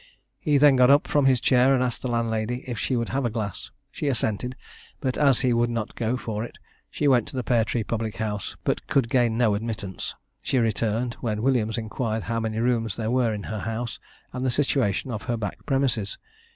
He then got up from his chair, and asked the landlady if she would have a glass. She assented, but as he would not go for it, she went to the Pear Tree public house, but could gain no admittance. She returned, when Williams inquired how many rooms there were in her house, and the situation of her back premises.